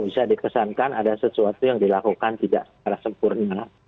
jadi kan ada sesuatu yang dilakukan tidak secara sempurna